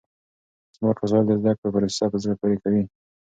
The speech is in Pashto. سمارټ وسایل د زده کړې پروسه په زړه پورې کوي.